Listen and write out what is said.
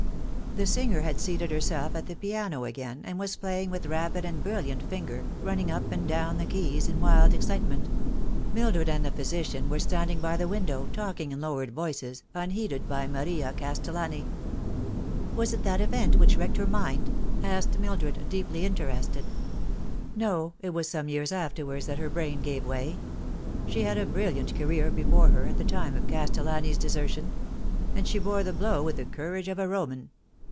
The singer had seated herself at the piano again, and was playing with rapid and brilliant finger, running np and down 252 The Fatal Three. the keys in wild excitement; Mildred and the physician were standing by the wkidow, talking in lowered voices, unheeded by Maria Castellani. " Was it that event which wrecked her mind ?" asked Mil dred, deeply interested. " No, it was some years afterwards that her brain gave way. She had a brilliant career before her at the time of Castellani's desertion ; and she bore the blow with the courage of a Roman.